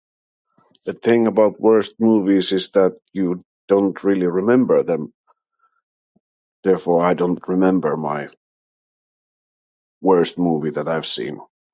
The thing about worst movies is that you don't really remember them. Therefore, I don't remember my worst movie that I've seen.